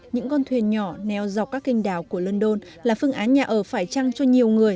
những con thuyền nhỏ neo dọc các kênh đảo của london là phương án nhà ở phải trăng cho nhiều người